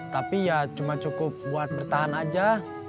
tapi ya cuma cukup buat bertahan aja